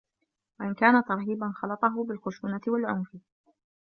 وَإِنْ كَانَ تَرْهِيبًا خَلَطَهُ بِالْخُشُونَةِ وَالْعُنْفِ